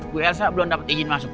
bu elsa belum dapat izin masuk